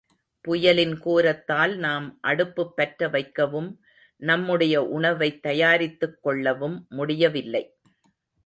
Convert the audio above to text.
புயலின் கோரத்தால் நாம் அடுப்புப் பற்ற வைக்கவும், நம்முடைய உணவைத் தயாரித்துக் கொள்ளவும் முடியவில்லை.